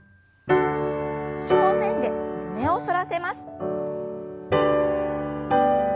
正面で胸を反らせます。